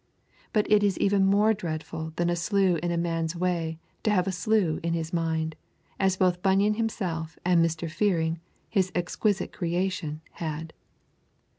But it is even more dreadful than a slough in a man's way to have a slough in his mind, as both Bunyan himself and Mr. Fearing, his exquisite creation, had.